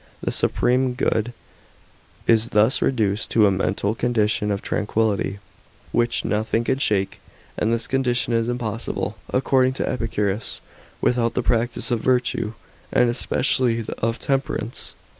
The supreme good is thus reduced to a mental condition of tranquillity, which nothing can shake ; and this condition is impossible, according to Epicurus, without the practice of virtue, and especially of temperance.